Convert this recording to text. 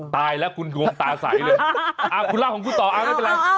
อ๋อตายแล้วคุณคุณมองตาใสเลยคุณล่าของคุณต่ออ้าว